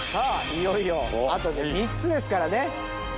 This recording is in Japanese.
いよいよあと３つですからね。